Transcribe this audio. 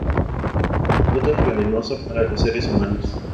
El fruto es venenoso para los seres humanos.